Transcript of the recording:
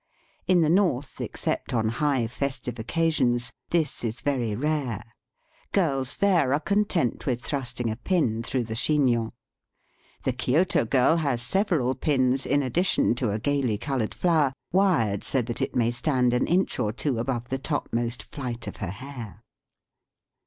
In the north, except on high festive occasions, this is very rare : girls there are content with thrusting a pin through the chignon. The Kioto girl has several pins, in addition to a gaily coloured . flower, wired so that it may stand an inch or two above the topmost flight of her hair.